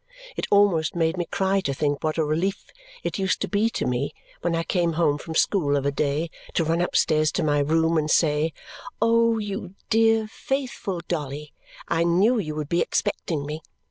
It almost makes me cry to think what a relief it used to be to me when I came home from school of a day to run upstairs to my room and say, "Oh, you dear faithful Dolly, I knew you would be expecting me!"